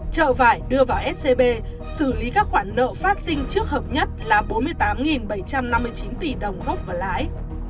trợ vải đưa vào scb xử lý các khoản nợ phát sinh trước hợp nhất là bốn mươi tám bảy trăm năm mươi chín tỷ đồng gốc và lãi